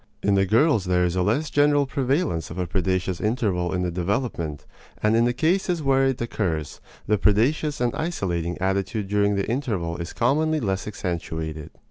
In the girls there is a less general prevalence of a predaceous interval in the development; and in the cases where it occurs, the predaceous and isolating attitude during the interval is commonly less accentuated.